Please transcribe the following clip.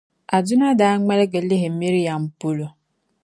Aduna daa ŋmaligi lihi Miriam polo.